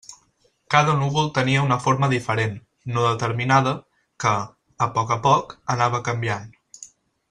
Cada núvol tenia una forma diferent, no determinada, que, a poc a poc, anava canviant.